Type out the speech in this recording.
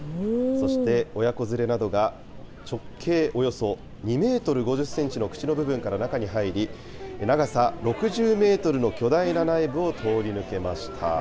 そして、親子連れなどが、直径およそ２メートル５０センチの口の部分から中に入り、長さ６０メートルの巨大な内部を通り抜けました。